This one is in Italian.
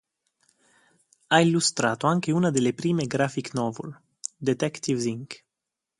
Ha illustrato anche una delle prime graphic novel, "Detectives Inc.